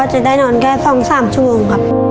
ชันใช้งานแค่๒๓ชั่วโมง